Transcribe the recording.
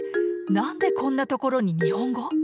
何でこんな所に日本語？